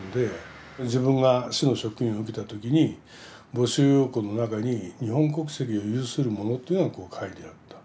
自分が市の職員を受けた時に募集要項の中に日本国籍を有する者っていうのがこう書いてあった。